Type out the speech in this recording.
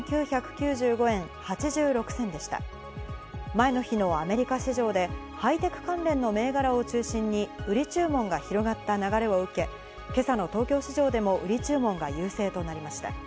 前の日のアメリカ市場でハイテク関連の銘柄を中心に売り注文が広がった流れを受け、今朝の東京市場でも売り注文が優勢となりました。